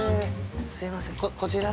すいませんこちら？